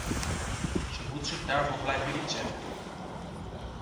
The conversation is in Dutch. Ze moet zich daarvoor blijven inzetten.